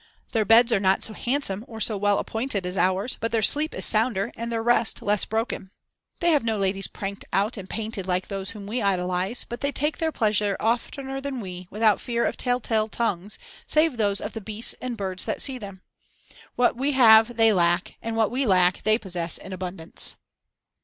Their beds are not so handsome or so well appointed as ours, but their sleep is sounder and their rest less broken. They have no ladies pranked out and painted like those whom we idolise, but they take their pleasure oftener than we, without fear of telltale tongues, save those of the beasts and birds that see them. What we have they lack, and what we lack they possess in abundance."